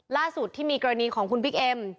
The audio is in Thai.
ล่าสุดที่มีกรณีของคุณบิ๊กเอ็ม